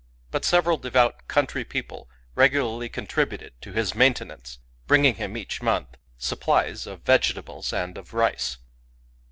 But several devout country people regularly contributed to his maintenance, bringing him each month supplies of vegetables and of rice.